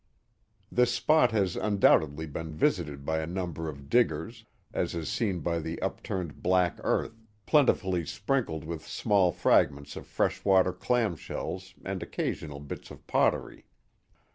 This spot has undoubtedly been visited by a number of diggers," as is seen by the upturned black earth, plentifully sprinkled with small fragments of fresh water clam shells and occasional bits of pottery.